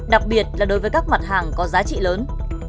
đặc biệt là đối với các mặt hàng có giá trị lớn